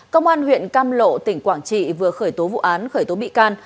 công an huyện cam lộ tỉnh quảng trị vừa khởi tố vụ án khởi tố bị can